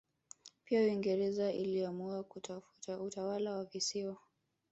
Pia Uingereza iliamua kutafuta utawala wa visiwa